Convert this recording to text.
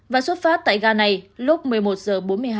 và xuất phát tại gà này lúc một mươi một giờ bốn mươi hai